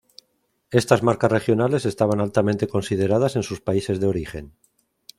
Estas marcas regionales estaban altamente consideradas en sus países de origen.